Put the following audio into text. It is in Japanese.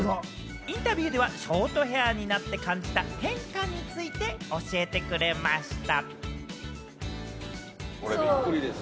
インタビューではショートヘアになって感じた変化について教えてくれました。